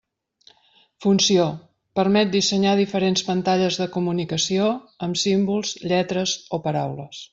Funció: permet dissenyar diferents pantalles de comunicació amb símbols, lletres o paraules.